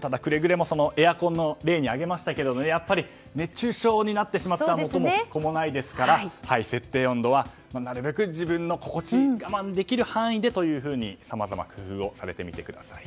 ただ、くれぐれもエアコンを例に挙げましたがやっぱり熱中症になってしまったら元も子もないですから設定温度はなるべく自分の心地いい我慢できる範囲でさまざま工夫をされてみてください。